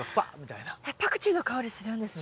えっパクチーの香りするんですね。